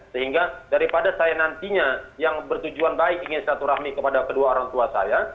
sehingga daripada saya nantinya yang bertujuan baik ingin selaturahmi kepada kedua orang tua saya